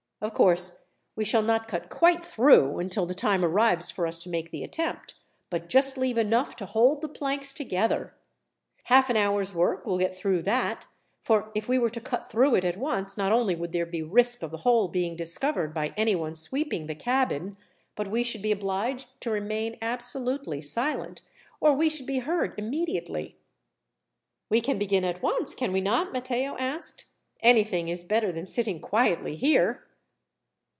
Of course, we shall not cut quite through until the time arrives for us to make the attempt, but just leave enough to hold the planks together. Half an hour's work will get through that, for if we were to cut through it at once, not only would there be risk of the hole being discovered by anyone sweeping the cabin, but we should be obliged to remain absolutely silent, or we should be heard immediately." "We can begin at once, can we not?" Matteo asked. "Anything is better than sitting quietly here."